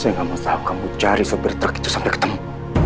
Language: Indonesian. saya nggak mau tahu kamu cari seberita itu sampai ketemu